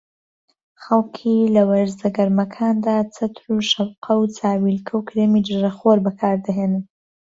خەڵکی لە وەرزە گەرمەکاندا چەتر و شەپقە و چاویلکە و کرێمی دژەخۆر بەکاردەهێنن